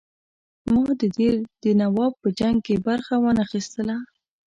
ما د دیر د نواب په جنګ کې برخه وانه خیستله.